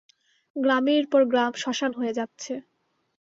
গ্রামের পর গ্রাম শ্মশান হয়ে যাচ্ছে।